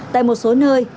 tại một số nơi